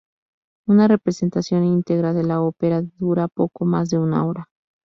Una representación íntegra de la ópera dura poco más de una hora.